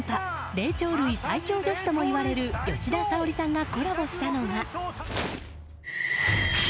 霊長類最強女子ともいわれる吉田沙保里さんがコラボしたのは。